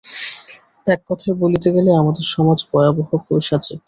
এক কথায় বলিতে গেলে আমাদের সমাজ ভয়াবহ, পৈশাচিক।